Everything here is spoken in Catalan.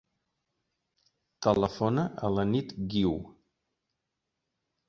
Telefona a la Nit Guiu.